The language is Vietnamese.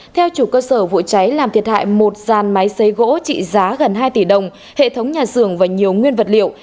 theo chủ cơ sở vụ cháy làm thiệt hại một dàn máy xấy gỗ trị giá gần hai tỷ đồng hệ thống nhà xưởng và nhiều nguyên vật liệu